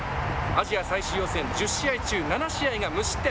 アジア最終予選１０試合中７試合が無失点。